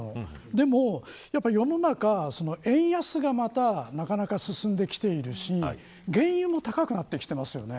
でも、世の中円安がまたなかなか進んできているし原油も高くなってきていますよね。